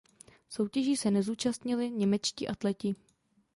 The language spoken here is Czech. Soutěží se nezúčastnili němečtí atleti.